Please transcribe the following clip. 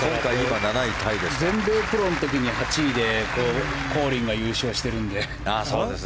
全米プロの時に８位でコーリーが優勝しているので。